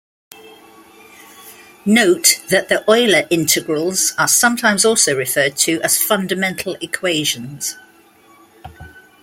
Note that the Euler integrals are sometimes also referred to as fundamental equations.